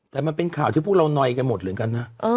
แต่มันเป็นข่าวที่พวกเราหน่อยกันหมดเหมือนกันนะ